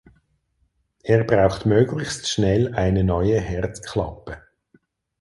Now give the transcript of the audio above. Er braucht möglichst schnell eine neue Herzklappe.